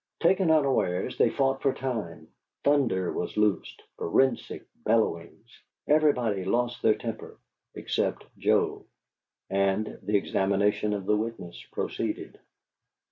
Taken unawares, they fought for time; thunder was loosed, forensic bellowings; everybody lost his temper except Joe; and the examination of the witness proceeded.